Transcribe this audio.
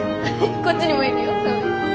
こっちにもいるよサメ。